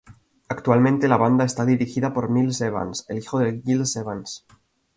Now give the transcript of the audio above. Actualmente la banda está dirigida por Miles Evans, el hijo de Gil Evans.